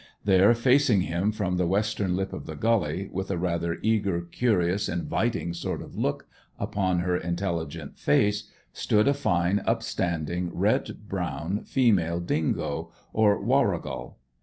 There, facing him from the western lip of the gully, with a rather eager, curious, inviting sort of look upon her intelligent face, stood a fine, upstanding, red brown female dingo, or warrigal.